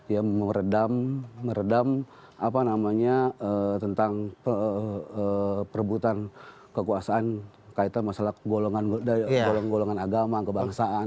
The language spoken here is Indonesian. ya meredam apa namanya tentang perebutan kekuasaan kaitan masalah golongan golongan agama kebangsaan